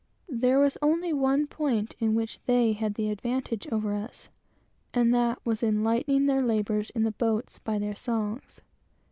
There was only one point in which they had the advantage over us, and that was in lightening their labors in the boats by their songs.